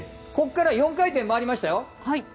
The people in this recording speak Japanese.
ここから４回転、回りましたよ。